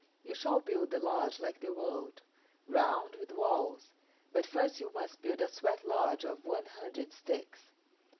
You shall build the lodge like the world, round, with walls, but first you must build a sweat lodge of one hundred sticks.